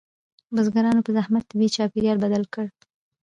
بزګرانو په زحمت طبیعي چاپیریال بدل کړ.